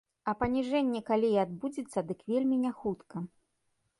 А паніжэнне калі і адбудзецца, дык вельмі няхутка.